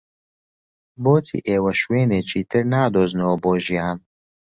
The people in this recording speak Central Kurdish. بۆچی ئێوە شوێنێکی تر نادۆزنەوە بۆ ژیان؟